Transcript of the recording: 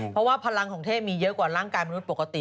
เพราะว่าพลังของเทพมีเยอะกว่าร่างกายมนุษย์ปกติ